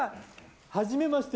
はじめまして。